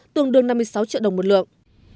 tương đương năm mươi sáu triệu đồng một lượng